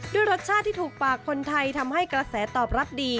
ด้วยรสชาติที่ถูกปากคนไทยทำให้กระแสตอบรับดี